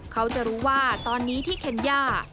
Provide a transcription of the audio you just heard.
เขาจะรู้ว่าตอนนี้ที่เคนย่า